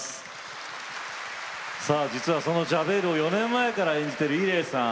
さあ実はそのジャベールを４年前から演じている伊礼さん。